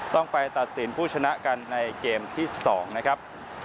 ต้องไปตัดสินผู้ชนะกันในเกมที่๒นะครับ